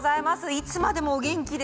いつまでもお元気で。